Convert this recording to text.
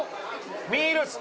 ミールス！